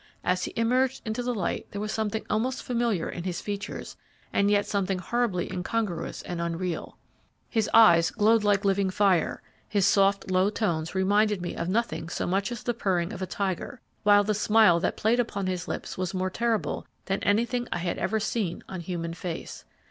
As he emerged into the light there was something almost familiar in his features, and yet something horribly incongruous and unreal. His eyes glowed like living fire; his soft, low tones reminded me of nothing so much as the purring of a tiger; while the smile that played about his lips was more terrible than anything I had ever seen on human face.